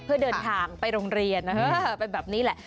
เพื่อเดินทางไปโรงเรียนเป็นแบบนี้แหละ